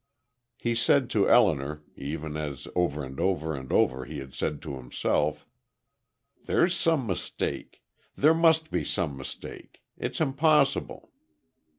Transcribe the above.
He said to Elinor; even as over and over and over he had said to himself: "There's some mistake. There must be some mistake. It's impossible."